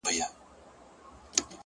د نیت پاکوالی عمل ته معنا ورکوي.